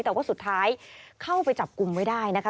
แต่ว่าสุดท้ายเข้าไปจับกลุ่มไว้ได้นะคะ